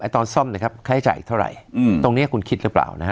ตอนซ่อมนะครับค่าใช้จ่ายเท่าไหร่ตรงนี้คุณคิดหรือเปล่านะฮะ